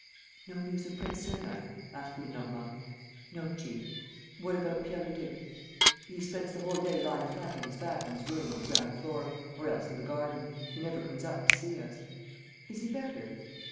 "No news of Prince Sernine?" asked Lenormand. "No, chief." "What about Pierre Leduc?" "He spends the whole day lying flat on his back in his room on the ground floor, or else in the garden. He never comes up to see us." "Is he better?"